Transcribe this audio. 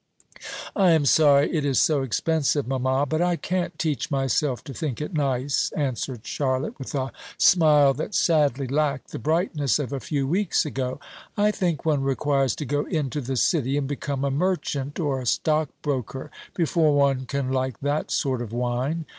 "I am sorry it is so expensive, mamma; but I can't teach myself to think it nice," answered Charlotte, with a smile that sadly lacked the brightness of a few weeks ago. "I think one requires to go into the City, and become a merchant or a stockbroker, before one can like that sort of wine.